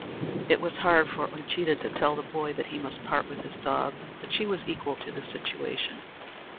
It was hard for Uncheedah to tell the boy that he must part with his dog, but she was equal to the situation.